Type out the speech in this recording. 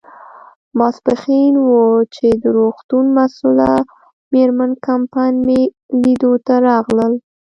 ماپیښین و، چې د روغتون مسؤله مېرمن کمپن مې لیدو ته راغلل.